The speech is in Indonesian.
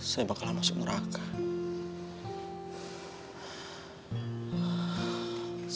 saya bakalan masuk neraka